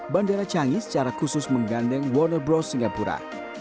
bandara changi secara khusus menggandeng warner bros singapura